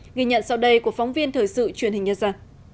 nghe nhận sau đây của phóng viên thời sự truyền hình nhất ra